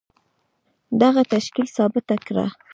دغه تشکيل ثابته کړه.